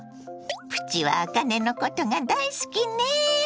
プチはあかねのことが大好きね。